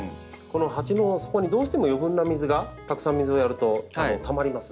鉢の底にどうしても余分な水がたくさん水をやるとたまります。